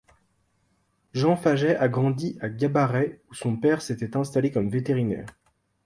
Jean Faget a grandi à Gabarret où son père s'était installé comme vétérinaire.